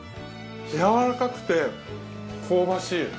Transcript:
やわらかくて香ばしい。